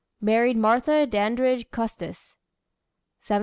Married Martha Dandridge Custis.